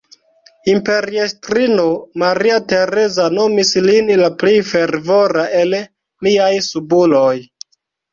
Imperiestrino Maria Tereza nomis lin "la plej fervora el miaj subuloj".